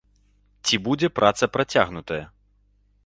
Ці будзе праца працягнутая?